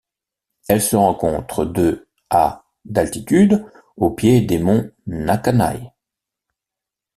Elle se rencontre de à d'altitude aux pieds des monts Nakanai.